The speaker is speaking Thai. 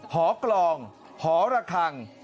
หอกลองหอระคัง